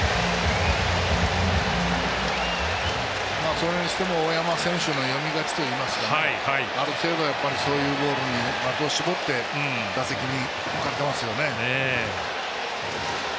それにしても大山選手の読み勝ちといいますかある程度そういうボールに的を絞って打席に向かってますよね。